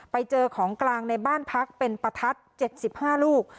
ไปเจอของกลางในบ้านพักเป็นประทัด๗๕ลูก